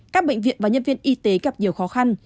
các bệnh viện và nhân viên y tế gặp nhiều khó khăn